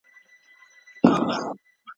ستا د منزل د مسافرو قدر څه پیژني